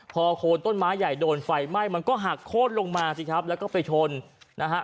พอโคนต้นไม้ใหญ่โดนไฟไหม้มันก็หักโค้นลงมาสิครับแล้วก็ไปชนนะฮะ